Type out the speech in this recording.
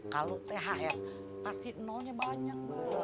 kalau mobil mobilnya pasti yang mahal